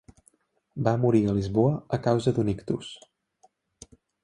Va morir a Lisboa a causa d'un ictus.